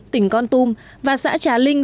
tỉnh con tum và xã trà linh